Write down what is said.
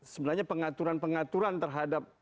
sebenarnya pengaturan pengaturan terhadap